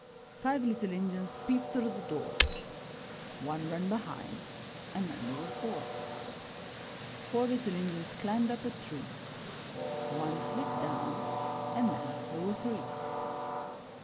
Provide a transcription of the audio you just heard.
Five little Injuns peeped through the door — One ran behind and then there were four. Four little Injuns climbed up a tree — One slid down and then there were three.